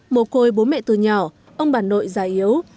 mồ côi bố mẹ từ nhỏ ông bà nội già yếu